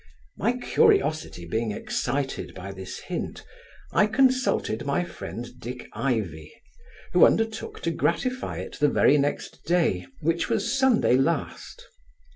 My curiosity being excited by this hint, I consulted my friend Dick Ivy, who undertook to gratify it the very next day, which was Sunday last.